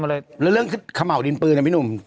แล้วเรื่องเขม่าวดินปืนอ่ะพี่หนุ่ม